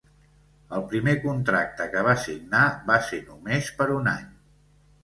El primer contracte que va signar va ser només per un any.